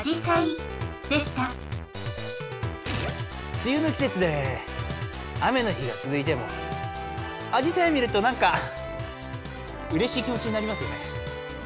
つゆの季節で雨の日がつづいてもアジサイ見るとなんかうれしい気もちになりますよね。